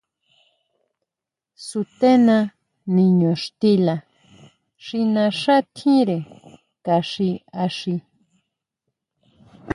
Sutena niño xtila xi naxa tjínre ka xi axí.